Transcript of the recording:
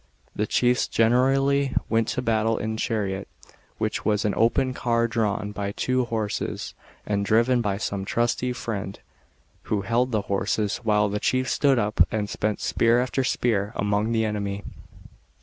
The chiefs generally, went to battle in a chariot, which was an open car drawn by two horses and driven by some trusty friend, who held the horses, while the chief stood up, and sent spear after spear, among the enemy.